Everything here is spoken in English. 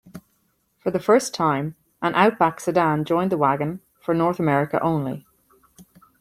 For the first time, an Outback sedan joined the wagon for North America only.